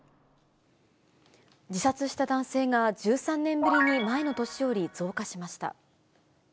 自殺した男性が１３年ぶりに前の年より増加しました。